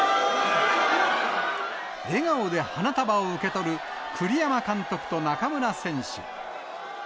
笑顔で花束を受け取る栗山監督と中村選手。